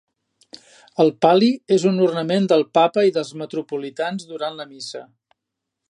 El pal·li és un ornament del Papa i dels metropolitans durant la Missa.